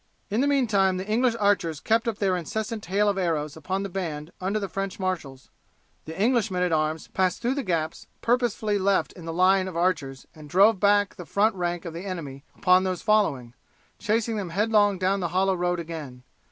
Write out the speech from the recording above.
In the meantime the English archers kept up their incessant hail of arrows upon the band under the French marshals. The English men at arms passed through the gaps purposely left in the line of archers and drove back the front rank of the enemy upon those following, chasing them headlong down the hollow road again.